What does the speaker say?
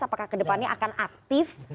apakah kedepannya akan aktif